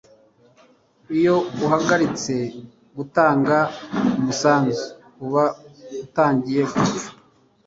iyo uhagaritse gutanga umusanzu, uba utangiye gupfa